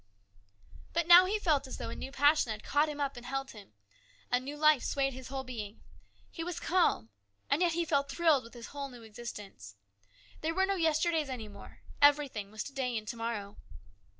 But now he felt as though a new passion had caught him up and held him ; a new life swayed his whole being ; he was calm, and yet he felt thrilled with this new existence. There were no yesterdays any more. AN EXCITING TIME. 127 Everything was to day and to morrow.